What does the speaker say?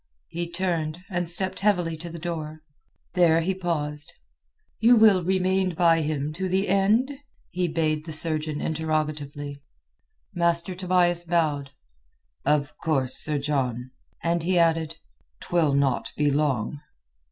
He turned, and stepped heavily to the door. There he paused. "You will remain by him to the end?" he bade the surgeon interrogatively. Master Tobias bowed. "Of course, Sir John." And he added, "'Twill not be long."